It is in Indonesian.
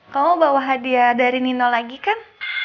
kamu bawa hadiah dari nino lagi kan